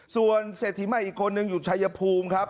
ส่วนเศรษฐีใหม่อีกคนนึงอยู่ชายภูมิครับ